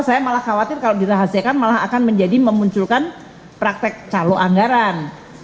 saya malah khawatir kalau dirahasiakan malah akan menjadi memunculkan praktek calo anggaran